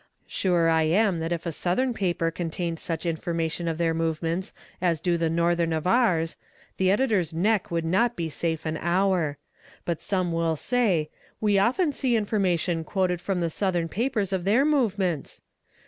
Sure am I that if a Southern paper contained such information of their movements as do the Northern of ours, the editor's neck would not be safe an hour. But some will say: 'We often see information quoted from the Southern papers of their movements.'